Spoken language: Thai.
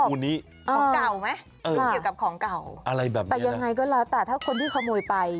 มันก็ยังไงก็แล้วแต่ถ้าคนที่ขโมยไป